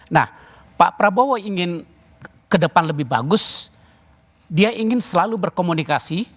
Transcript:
nah pak prabowo ingin ke depan lebih bagus dia ingin selalu berkomunikasi